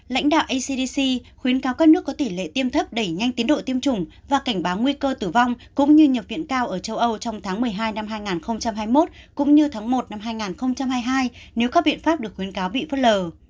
lãnh đạo acdc khuyến cáo các nước có tỷ lệ tiêm thấp đẩy nhanh tiến độ tiêm chủng và cảnh báo nguy cơ tử vong cũng như nhập viện cao ở châu âu trong tháng một mươi hai năm hai nghìn hai mươi một cũng như tháng một năm hai nghìn hai mươi hai nếu các biện pháp được khuyến cáo bị phất lờ